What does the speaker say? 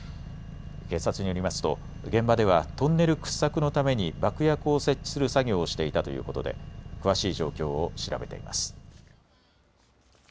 警察によりますと現場ではトンネル掘削のために爆薬を設置する作業をしていたということで詳しい状況を調べています。